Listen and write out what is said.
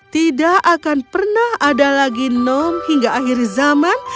tidak akan pernah ada lagi nom hingga akhir zaman